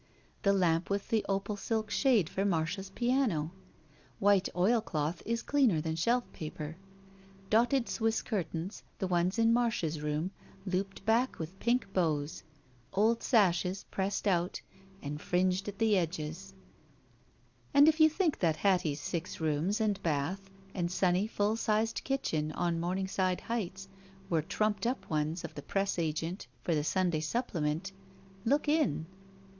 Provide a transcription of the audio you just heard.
The lamp with the opal silk shade for Marda's piano. White oilcloth is clean&r than shelf paper. Dotted Swiss curtains, the ones in Marda's room looped back with pink bows. Old sashes, pressed out and fringed at the edges. And if you think that Hattie's six rooms and bath and sunny, full sized kitchen, on Momingside Hdghts, were trumped up ones of the press agent for the Sunday Supplement, look in.